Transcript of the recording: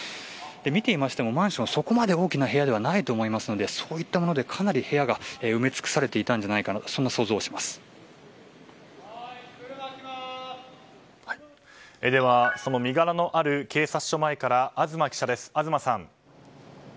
見ていましてもマンションそこまで大きな部屋ではないと思いますのでそういったものでかなり部屋が埋め尽くされていたんじゃないかでは、その身柄のある警察署前から東記者です。